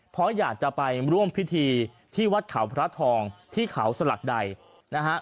เพราะอยากจะไปร่วมพิธีที่วัดเขาพระทองที่เขาสลักใดนะฮะ